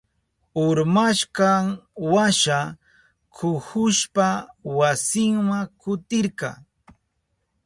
Urmashkanwasha kuhushpa wasinma kutirka.